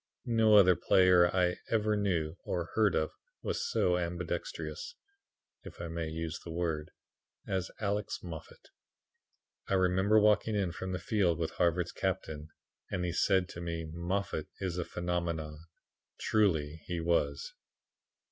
No other player I ever knew or heard of was so ambipedextrous (if I may use the word) as Alex Moffat. I remember walking in from the field with Harvard's captain, and he said to me 'Moffat is a phenomenon.' Truly he was."